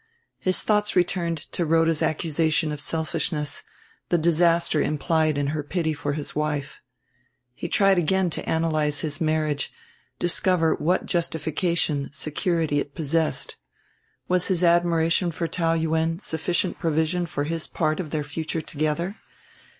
His thoughts returned to Rhoda's accusation of selfishness, the disaster implied in her pity for his wife. He tried again to analyze his marriage, discover whatever justification, security, it possessed. Was his admiration for Taou Yuen sufficient provision for his part of their future together?